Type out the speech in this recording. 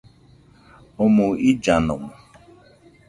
Omoɨ illanomo